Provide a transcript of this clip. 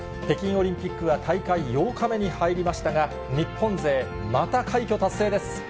北京オリンピックは大会８日目に入りましたが、日本勢、また快挙達成です。